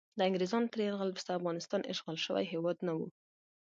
د انګریزانو تر یرغل وروسته افغانستان اشغال شوی هیواد نه و.